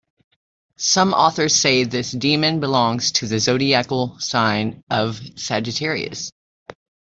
Some authors say this demon belongs to the zodiacal sign of Sagittarius.